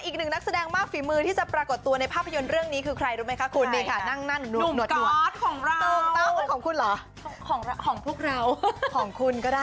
คือเคียร์กิมหรือเคียร์กอคะ